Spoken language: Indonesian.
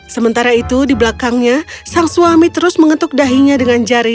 sementara itu di belakangnya sang suami terus mengetuk dahinya dengan jari